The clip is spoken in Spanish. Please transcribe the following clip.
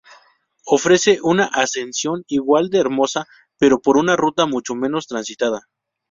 Ofrece una ascensión igual de hermosa, pero por una ruta mucho menos transitada.